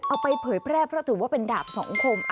เอาไปเผยแพร่เพราะถือว่าเป็นดาบสองคม